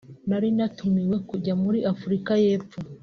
“Nari natumiwe kujya muri Afurika y’Epfo